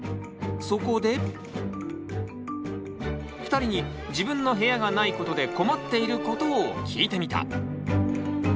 そこで２人に自分の部屋がないことで困っていることを聞いてみた。